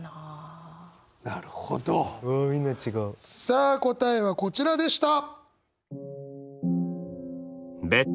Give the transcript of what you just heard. さあ答えはこちらでした！